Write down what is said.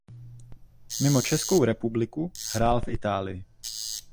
Mimo Českou republiku hrál v Itálii.